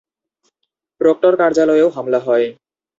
Proctor কার্যালয়েও হামলা হয়।